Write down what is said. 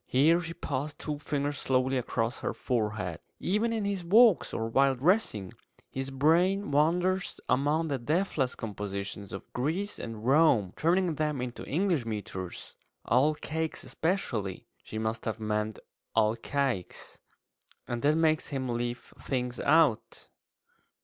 Here she passed two fingers slowly across her forehead. "Even in his walks, or while dressing, his brain wanders among the deathless compositions of Greece and Rome, turning them into English metres all cakes especially" she must have meant alcaics "and that makes him leave things about."